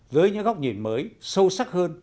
dưới những góc nhìn mới sâu sắc hơn